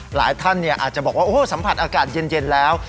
หลายท่านอาจจะบอกว่าโอ้โหสัมผัสอากาศเย็นแล้ว